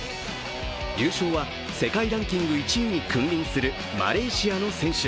優勝は世界ランキング１位に君臨するマレーシアの選手。